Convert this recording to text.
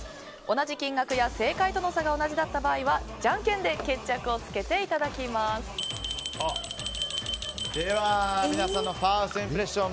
同じ金額や正解との差が同じだった場合はじゃんけんで皆さんのファーストインプレッション